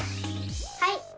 はい！